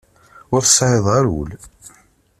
Ur tesɛiḍ ara ul.